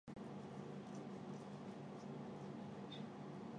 英国传教士李德立就是在这种背景下来到庐山。